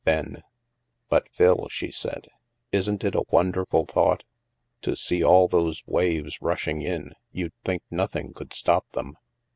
Then : "But, Phil," she said, "isn't it a wonderful thought ? To see all those waves rushing in, you'd think nothing could stop them.